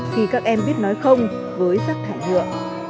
khi các em biết nói không với giấc thả nhựa